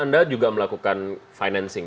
anda juga melakukan financing